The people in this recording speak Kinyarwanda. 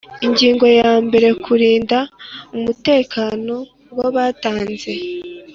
Ingingo ya mbere Kurinda umutekano w abatanze